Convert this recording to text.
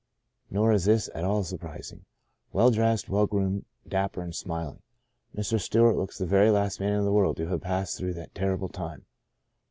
Nor is this at all surprising. Well dressed, well groomed, dapper and smiling, Mr. Stewart looks the very last man in the world to have passed through that terrible time.